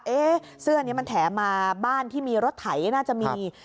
เอ๊ะเสื้อนี้มันแถมาบ้านที่มีรถไถน่าจะมี